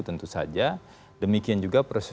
tentu saja demikian juga proses